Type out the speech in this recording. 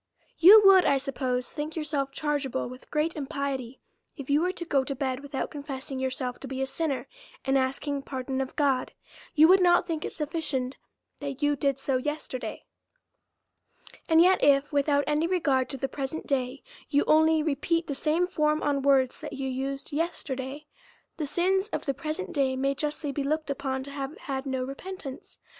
You would, I suppose, think yourself chargeable with great impiety, if you was to go to bed without confessing yourself to be a sinner, and asking pardon Y 4 328 A SERIOUS CALL TO A of God : you would not think it sufficient that you did so yesterday ; and yet, if, without any regard to the present day, you only repeat the same form of words that you used yesterday, the sins of the present may justly be looked upon to have had no repentance.